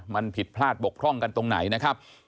มันผิดพลาดบกพร่องกันตรงไหนนะครับ